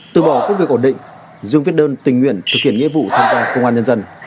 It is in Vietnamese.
từ bỏ công việc ổn định dương viết đơn tình nguyện thực hiện nghĩa vụ tham gia công an nhân dân